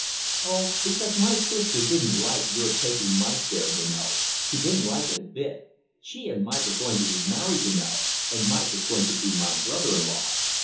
"Oh, because my sister didn't like your taking Mike there, you know she didn't like it a bit. She and Mike are going to be married, you know, and Mike is going to be my brother in law."